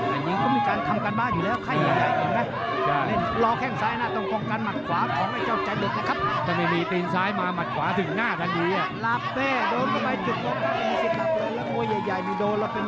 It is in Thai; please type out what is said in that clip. อันนี้เขามีการทำการบ้านอยู่แล้วไข้ยังไงเห็นไหม